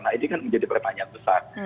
nah ini kan menjadi pertanyaan besar